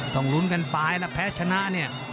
ต้องลุ้นกันไปแล้วแพ้ชนะเนี่ย